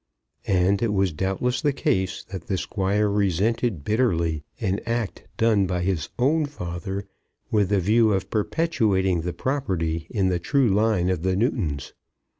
And it was doubtless the case that the Squire resented bitterly an act done by his own father with the view of perpetuating the property in the true line of the Newtons.